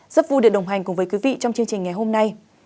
rất vui được đồng hành cùng quý vị trong chương trình ngày hôm nay